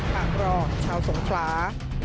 ฝากรองชาวสงครา